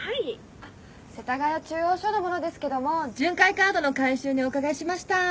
あっ世田谷中央署の者ですけども巡回カードの回収にお伺いしました。